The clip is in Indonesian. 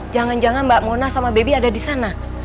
jangan jangan mbak mona sama baby ada di sana